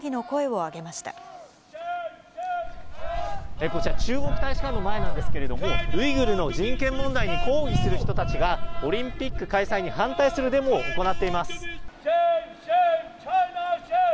こちら、中国大使館の前なんですけれども、ウイグルの人権問題に抗議する人たちが、オリンピック開催に反対するデモを行っています。